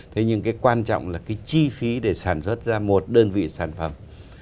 thế nhưng cái quan trọng là cái chi phí để sản xuất ra một đơn vị sản phẩm